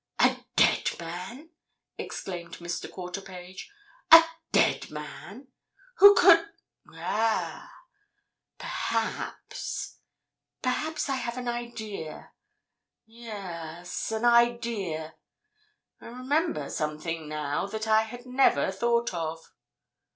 "A dead man!" exclaimed Mr. Quarterpage. "A dead man! Who could—ah! Perhaps—perhaps I have an idea. Yes!—an idea. I remember something now that I had never thought of."